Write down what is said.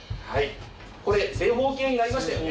これ正方形になりましたよね。